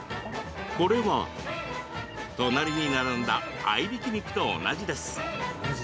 これは隣に並んだ合いびき肉と同じです。